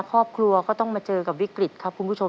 ครอบครัวก็ต้องมาเจอกับวิกฤตครับคุณผู้ชม